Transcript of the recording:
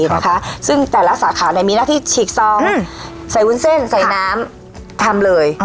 นะคะซึ่งแต่ละสาขาเนี่ยมีหน้าที่ฉีกซองใส่วุ้นเส้นใส่น้ำทำเลย